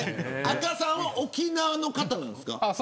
阿嘉さんは沖縄の方なんですか。